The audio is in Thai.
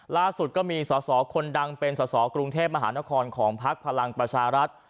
ล่าสุดก็มีสอสอคนดังเป็นสอสอกรุงเทพมหานครของพักพลังประชารัฐ